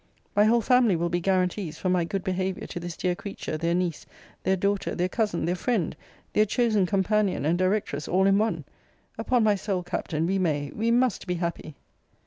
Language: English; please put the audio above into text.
My whole family will be guaranties for my good behaviour to this dear creature, their niece, their daughter, their cousin, their friend, their chosen companion and directress, all in one. Upon my soul, Captain, we may, we must be happy.